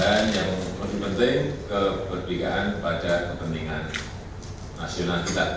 dan yang paling penting keberdikaan pada kepentingan nasional kita